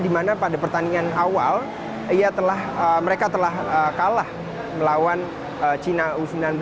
di mana pada pertandingan awal mereka telah kalah melawan china u sembilan belas